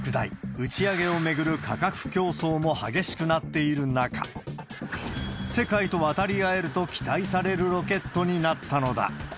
打ち上げを巡る価格競争も激しくなっている中、世界と渡り合えると期待されるロケットになったのだ。